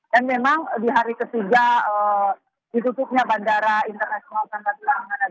dan memang di hari ketiga ditutupnya bandara internasional sangratulangin